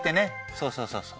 そうそうそうそう。